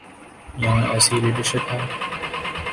یہاں ایسی لیڈرشپ ہے؟